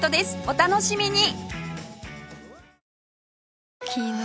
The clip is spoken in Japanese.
お楽しみに！